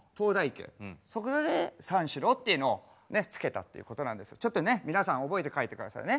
そこで三四郎っていうのを付けたっていうことなんですけどちょっとね皆さん覚えて帰って下さいね